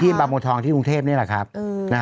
ถูกต้องถูกต้องถูกต้องถูกต้องถูกต้อง